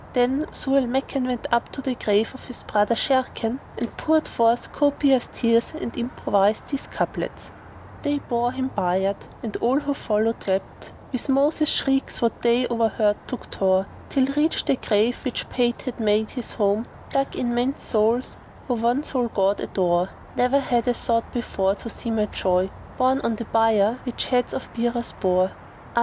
Then Zau al Makan went up to the grave of his brother Sharrkan and poured forth copious tears, and improvised these couplets, "They bore him bier'd, and all who followed wept * With Moses' shrieks what day o'erhead shook Tor;[FN#456] Till reached the grave which Pate had made his home, * Dug in men's souls who one sole God adore: Ne'er had I thought before to see my joy * Borne on the bier which heads of bearers bore: Ah no!